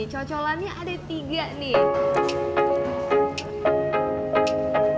cocolannya ada tiga nih